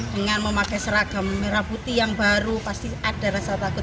dengan memakai seragam merah putih yang baru pasti ada rasa takut